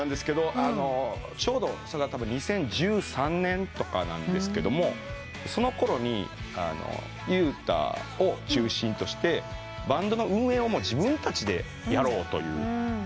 ちょうど２０１３年とかなんですけどそのころにＵ太を中心としてバンドの運営を自分たちでやろうという時期と重なって。